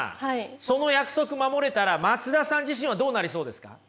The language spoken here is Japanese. その約束守れたら松田さん自身はどうなりそうですか？